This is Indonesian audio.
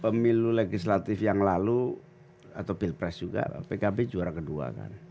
pemilu legislatif yang lalu atau pilpres juga pkb juara kedua kan